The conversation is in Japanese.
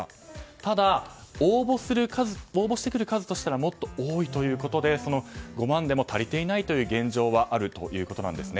ただ、応募してくる数というのはもっと多いということで５万でも足りていない現状があるということです。